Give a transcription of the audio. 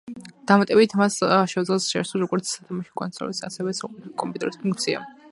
დამატებით მას შეუძლია შეასრულოს როგორც სათამაშო კონსოლის, ასევე სრულყოფილი კომპიუტერის ფუნქცია.